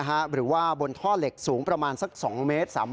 หรือว่าบนท่อเหล็กสูงประมาณสัก๒เมตร